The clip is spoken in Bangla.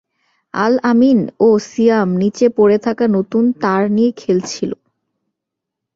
আল আমিন ও সিয়াম নিচে পড়ে থাকা নতুন তার নিয়ে খেলছিল।